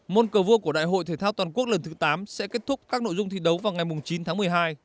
môn cờ vua của đại hội thể thao toàn quốc lần thứ tám sẽ kết thúc các nội dung thi đấu vào ngày chín tháng một mươi hai